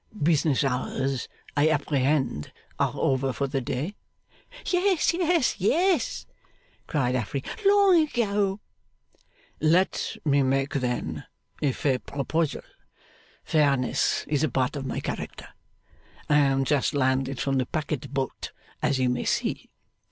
'Business hours, I apprehend, are over for the day?' 'Yes, yes, yes,' cried Affery. 'Long ago.' 'Let me make, then, a fair proposal. Fairness is a part of my character. I am just landed from the packet boat, as you may see.